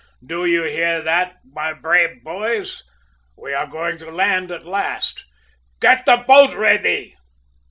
`Do you hear that, my brave boys? We are going to land at last. Get the boat ready!'